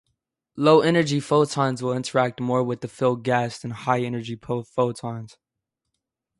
Low energy photons will interact more with the fill gas than high energy photons.